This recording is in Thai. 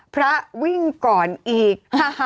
พระวิ่งก่อนอีก